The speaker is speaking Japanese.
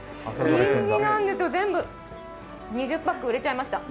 人気なんですよ、全部、２０パック売れちゃいました。